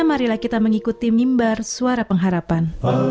marilah kita mengikuti mimbar suara pengharapan